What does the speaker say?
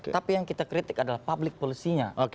tapi yang kita kritik adalah public policy nya